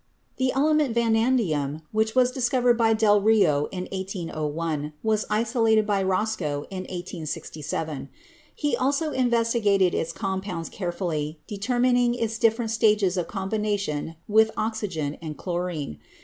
The element vanadium, which was discovered by Del Rio in 1801, was isolated by Roscoe in 1867. He also inves tigated its compounds carefully, determining its different stages of combination with oxygen and chlorine.